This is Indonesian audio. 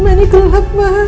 ini kelap ma